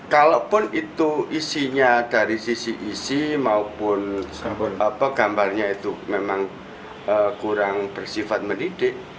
kalaupun itu isinya dari sisi isi maupun gambarnya itu memang kurang bersifat mendidik